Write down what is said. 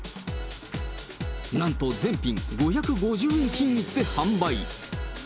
なんと全品５５０円均一で販売。